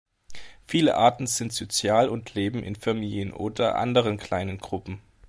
Viele Arten sind sozial und leben in Familien oder anderen kleinen Gruppen.